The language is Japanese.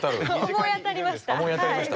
思い当たりましたはい。